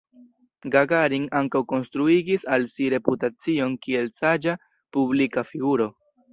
Gagarin ankaŭ konstruigis al si reputacion kiel saĝa publika figuro.